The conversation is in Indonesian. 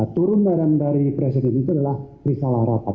turun dari presiden itu adalah risalah rapat